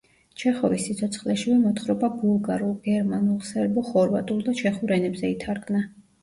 ჩეხოვის სიცოცხლეშივე მოთხრობა ბულგარულ, გერმანულ, სერბო-ხორვატულ და ჩეხურ ენებზე ითარგმნა.